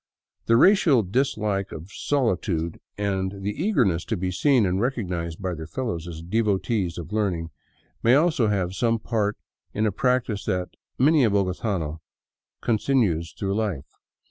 The racial dislike of solitude and the eagerness to be seen and recognized by their fellows as devotees of learning may also have some part in a practice that many a bogotano continues through life.